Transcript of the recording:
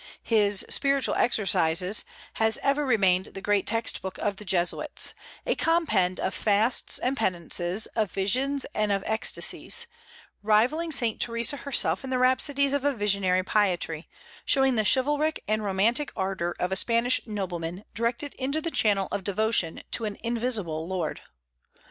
His "Spiritual Exercises" has ever remained the great text book of the Jesuits, a compend of fasts and penances, of visions and of ecstasies; rivalling Saint Theresa herself in the rhapsodies of a visionary piety, showing the chivalric and romantic ardor of a Spanish nobleman directed into the channel of devotion to an invisible Lord.